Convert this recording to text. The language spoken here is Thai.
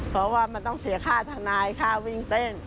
เพราะว่ามันต้องเสียค่าทนายค่าวิ่งเต้น